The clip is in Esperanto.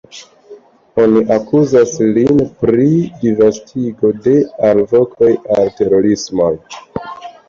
Oni akuzas lin pri disvastigo de “alvokoj al terorismo”.